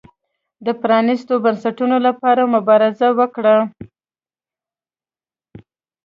د پرانیستو بنسټونو لپاره مبارزه وکړي.